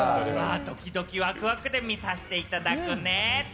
ドキドキワクワクで見させていただくね。